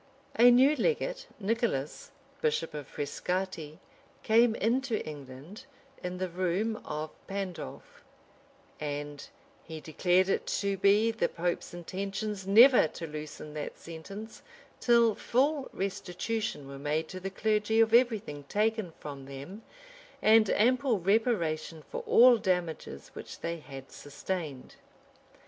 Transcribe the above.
A new legate, Nicholas, bishop of Frescati, came into England in the room of Pandolf; and he declared it to be the pope's intentions never to loosen that sentence till full restitution were made to the clergy of every thing taken from them, and ample reparation for all damages which they had Sustained.